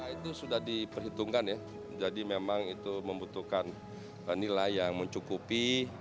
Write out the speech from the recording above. itu sudah diperhitungkan ya jadi memang itu membutuhkan nilai yang mencukupi